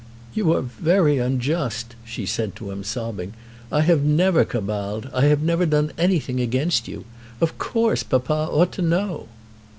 "You are very unjust," she said to him sobbing. "I have never caballed. I have never done anything against you. Of course papa ought to know."